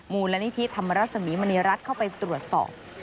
มูลนิธิธรรมรสมีมณีรัฐเข้าไปตรวจสอบ